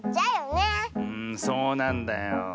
うんそうなんだよ。